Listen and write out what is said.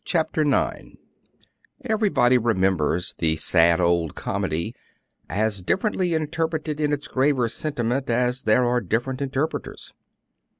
Chapter IX Everybody remembers the sad old comedy, as differently interpreted in its graver sentiment as there are different interpreters.